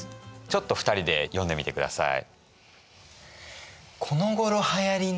ちょっと２人で読んでみてください。